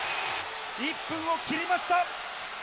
１分を切りました。